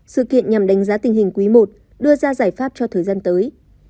sự kiện nhằm đánh giá tình hình quý i đưa ra giải pháp cho thời gian tới